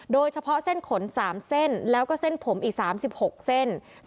โดยเฉพาะเส้นขน๓เส้นแล้วก็เส้นผมอีก๓๖เส้น